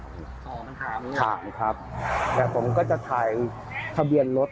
อ๋อปัญหาปัญหาครับแต่ผมก็จะถ่ายทะเบียนรถ